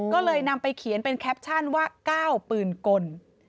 ก็เลยนำไปเขียนเป็นแคปชั่นว่า๙ปืนกล